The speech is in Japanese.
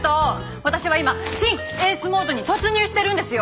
私は今シン・エースモードに突入してるんですよ。